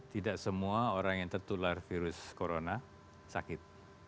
tidak semua orang yang tertular virus corona sakit